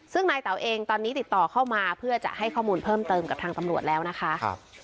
ซึ่งนายเต๋าเองตอนนี้ติดต่อเข้ามาเพื่อจะให้ข้อมูลเพิ่มเติมกับทางตำรวจแล้วนะคะ